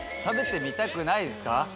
食べてみたくないですか？